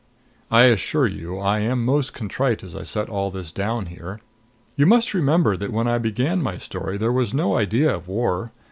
I assure you, I am most contrite as I set all this down here. You must remember that when I began my story there was no idea of war.